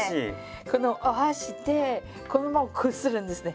このお箸でこのままこするんですね。